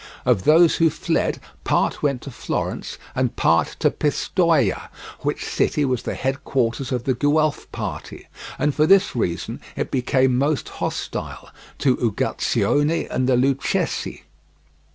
Of those who fled, part went to Florence and part to Pistoia, which city was the headquarters of the Guelph party, and for this reason it became most hostile to Uguccione and the Lucchese.